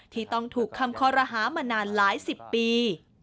ที่ต้องถูกคำคอรหามานานหลายสิบปี